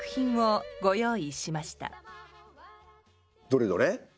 どれどれ？